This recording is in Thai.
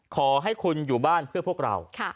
ขอให้คุณอยู่บ้านเพื่อพวกเรา